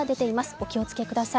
お気をつけください。